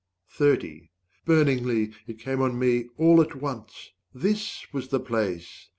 Burningly it came on me all at once, 175 This was the place!